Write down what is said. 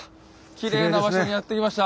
きれいな場所にやって来ました。